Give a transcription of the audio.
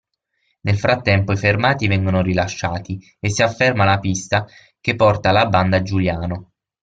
Nel frattempo i fermati vengono rilasciati e si afferma la pista che porta alla banda Giuliano.